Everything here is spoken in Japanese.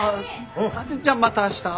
じゃあまた明日。